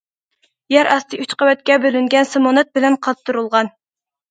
يەر ئاستى ئۈچ قەۋەتكە بۆلۈنگەن، سېمونت بىلەن قاتۇرۇلغان.